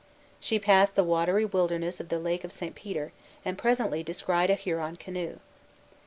She passed the watery wilderness of the Lake of St. Peter, and presently descried a Huron canoe.